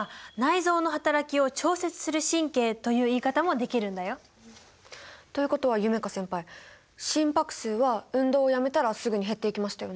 そう。という言い方もできるんだよ。ということは夢叶先輩心拍数は運動をやめたらすぐに減っていきましたよね。